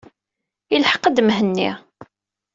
Ilḥeq-d Mhenni.